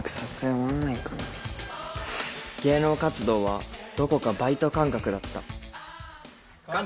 芸能活動はどこかバイト感覚だった